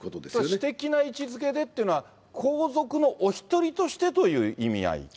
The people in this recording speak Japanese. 私的な位置づけでっていうのは、皇族のお１人としてという意味合い。